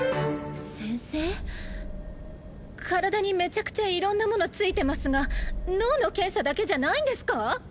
先生体にめちゃくちゃ色んなものついてますが脳の検査だけじゃないんですか？